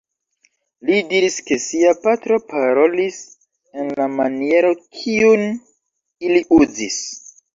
Li diris ke sia patro parolis en la maniero kiun ili uzis.